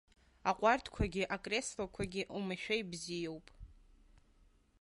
Аҟәардәқәагьы, акреслақәагьы оумашәа ибзиоуп.